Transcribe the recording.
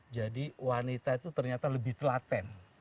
jadi wanita itu ternyata lebih telaten